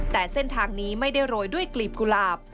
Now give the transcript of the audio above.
แต่เส้นทางนี้ไม่ได้โรยด้วยกลีบกุหลาบ